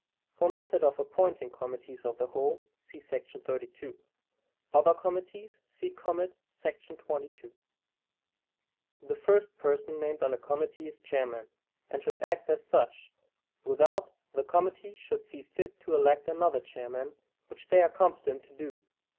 [For method of appointing committees of the whole, see § 32; other committees, see commit, § 22.] The first person named on a committee is chairman, and should act as such, without the committee should see fit to elect another chairman, which they are competent to do.